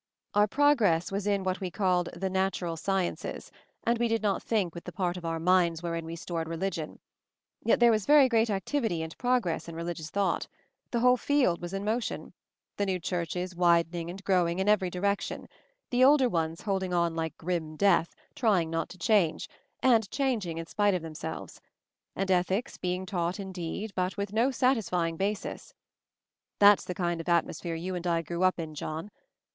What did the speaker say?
Our progress was in what we called 'The natural sciences'; and we did not think with the part of our minds wherein we stored religion. Yet there was very great activity and progress in religious thought ; the whole field was in motion ; the new churches widen ing and growing in every direction ; the older MOVING THE MOUNTAIN 245 ones holding on like grim death, trying not to change, and changing in spite of them selves; and Ethics being taught indeed, but with no satisfying basis. That's the kind of atmosphere you and I grew up in, John.